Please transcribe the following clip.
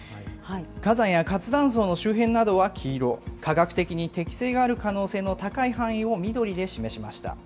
火山や活断層の周辺などは黄色、科学的に適性がある可能性の高い範囲を緑で示しました。